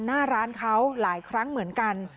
หน้าร้านเขาหลายครั้งเหมือนกัน